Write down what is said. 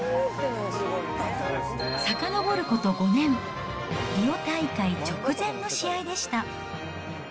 さかのぼること５年、リオ大会直前の試合でした。